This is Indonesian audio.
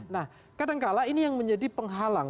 nah kadangkala ini yang menjadi penghalang